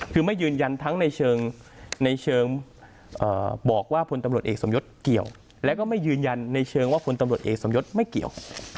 คือไม่ยืนยันทั้งในเชิงในเชิงบอกว่าพลตำรวจเอกสมยศเกี่ยวแล้วก็ไม่ยืนยันในเชิงว่าพลตำรวจเอกสมยศไม่เกี่ยว